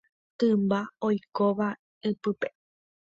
Tymba oikóva ipype.